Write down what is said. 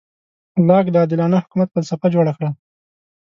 لاک د عادلانه حکومت فلسفه جوړه کړه.